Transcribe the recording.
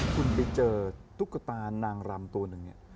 คุณไปเจอตุ๊กตานางรำตัวหนึ่งเนี่ย